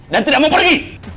dan tidak mau pergi